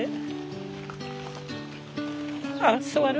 あ座る？